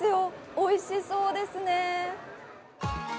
おいしそうですね。